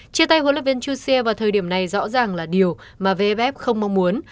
chia tay huấn luyện viên jussie vào thời điểm này rõ ràng là điều mà vff không mong muốn